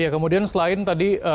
kemudian selain tadi